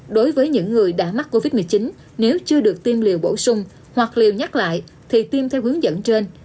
đối với những người đã mắc covid một mươi chín nếu chưa được tiêm liều bổ sung hoặc liều nhắc lại thì tiêm theo hướng dẫn trên